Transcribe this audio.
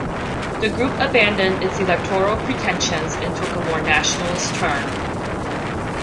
The group abandoned its electoral pretensions and took a more nationalist turn.